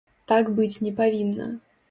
Так быць не павінна.